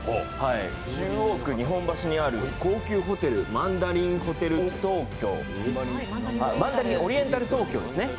中央区日本橋にある、高級ホテル、マンダリンオリエンタル東京ですね